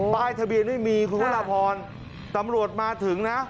ป้ายทะเบียนไม่มีคุณพระราพรตำรวจมาถึงนะ